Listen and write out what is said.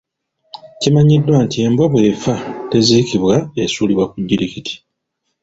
Kimanyiddwa nti embwa bw'efa teziikibwa esuulibwa ku jjirikiti.